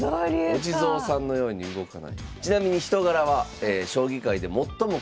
お地蔵さんのように動かない。